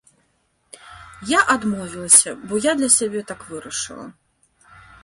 Я адмовілася, бо я для сябе так вырашыла.